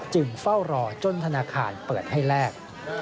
เฝ้ารอจนธนาคารเปิดให้แลก